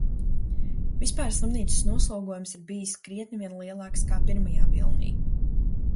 Vispār slimnīcas noslogojums ir bijis krietni vien lielāks kā pirmajā vilnī.